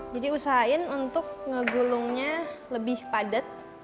jadi usahain untuk ngegulungnya lebih padat